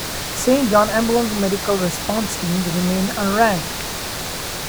Saint John Ambulance Medical Response Teams remain unranked.